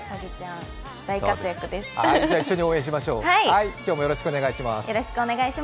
一緒に応援しましょう。